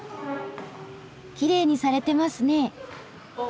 きれいにされてますね。